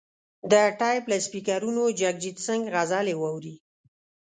د ټیپ له سپیکرونو جګجیت سنګ غزلې واوري.